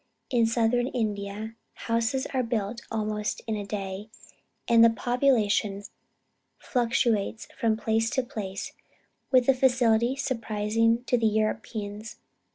In southern India, houses are built almost in a day, and the population fluctuates from place to place with a facility surprising to Europeans.